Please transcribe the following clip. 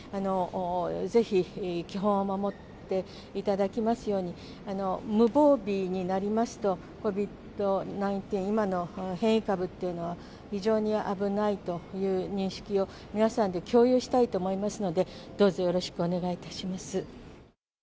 ぜひ基本を守っていただきますように、無防備になりますとＣＯＶＩＤー１９、今の変異株っていうのは非常に危ないという認識を皆さんで共有したいと思いますので、どうぞよろしくお願いいたします。